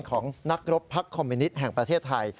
ของนักรบพักคอมมินิตแห่งประเทศไทย